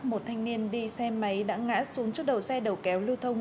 một thanh niên đi xe máy đã ngã xuống trước đầu xe đầu kéo lưu thông